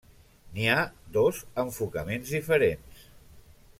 N'hi ha dos enfocaments diferents.